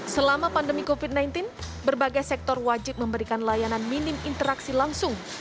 selama pandemi covid sembilan belas berbagai sektor wajib memberikan layanan minim interaksi langsung